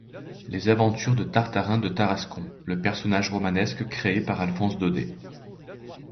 Les aventures de Tartarin de Tarascon, le personnage romanesque créé par Alphonse Daudet.